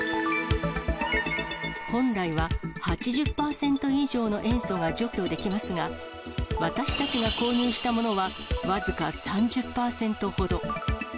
本来は８０％以上の塩素が除去できますが、私たちが購入したものは、僅か３０％ほど。